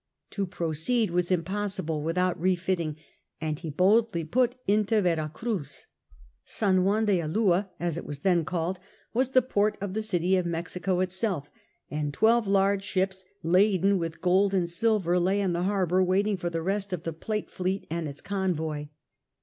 To proceed was impossible without refitting, and he boldly put into Vera Cruz. San Juan de Ulua, as it was then called, was the port of the city of Mexico itself, and twelve large ships laden with gold and silver lay in the harbour waiting for the rest of the Plate fleet and its convoy.